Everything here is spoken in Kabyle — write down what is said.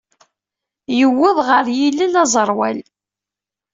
Yewweḍ ɣer yilel aẓerwal.